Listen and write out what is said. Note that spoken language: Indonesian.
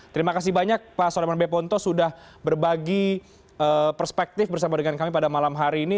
terima kasih banyak pak soleman beponto sudah berbagi perspektif bersama dengan kami pada malam hari ini